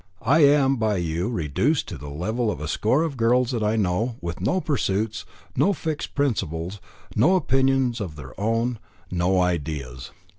I am by you reduced to the level of a score of girls that I know, with no pursuits, no fixed principles, no opinions of their own, no ideas.